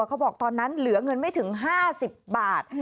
เขาบอกตอนนั้นเหลือเงินไม่ถึง๕๐บาท